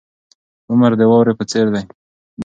عمر د واورې په څیر دی.